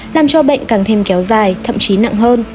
làm cho bệnh càng thêm kéo dài thậm chí nặng hơn